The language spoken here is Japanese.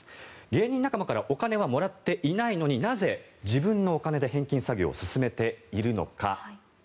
芸人仲間からお金はもらっていないのになぜ、自分のお金で返金作業を進めているのか。